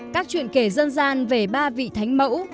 các chuyện kể dân gian về ba vị thánh mẫu